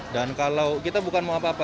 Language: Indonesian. kalau kita bukan mau apa apa